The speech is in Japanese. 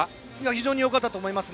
非常によかったと思います。